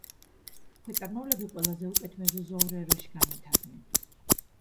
ქვეწარმავლები ყველაზე უკეთ მეზოზოურ ერაში განვითარდნენ.